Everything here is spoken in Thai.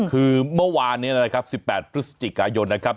คือเมื่อวานนี้นะครับ๑๘พฤศจิกายนนะครับ